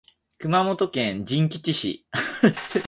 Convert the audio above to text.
熊本県人吉市